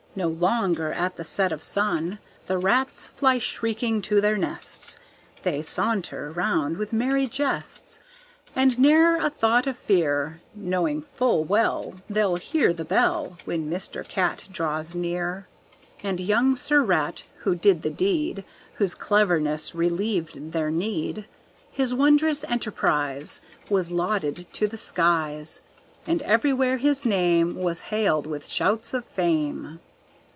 No longer at the set of sun The rats fly shrieking to their nests, They saunter round with merry jests And ne'er a thought of fear, Knowing full well They'll hear the bell When Mr. Cat draws near. And young Sir Rat who did the deed, Whose cleverness relieved their need, His wondrous enterprise Was lauded to the skies. And everywhere his name Was hailed with shouts of fame.